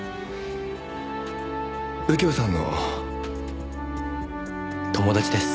右京さんの友達です。